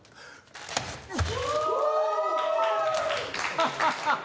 ハハハハ！